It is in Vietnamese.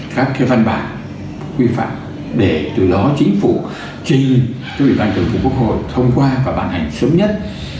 các văn bản quy phạm để từ đó chính phủ trình chính phủ bộ hội thông qua và bàn hành sớm nhất